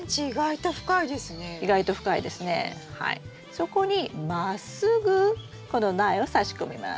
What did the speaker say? そこにまっすぐこの苗をさし込みます。